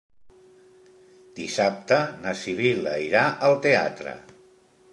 Dissabte na Sibil·la irà al teatre.